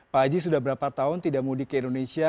pak haji sudah berapa tahun tidak mudik ke indonesia